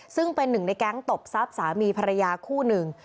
ซึ่งเป็นหนึ่งในแก๊งตบทรัพย์สามีภรรยาคู่หนึ่ง